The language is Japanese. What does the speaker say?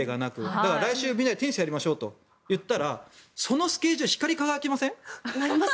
だから、来週みんなでテニスをやりましょうって言ったらそのスケジュールだけ輝きません？